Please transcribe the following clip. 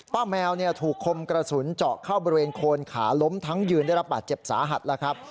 แมวถูกคมกระสุนเจาะเข้าบริเวณโคนขาล้มทั้งยืนได้รับบาดเจ็บสาหัสแล้วครับ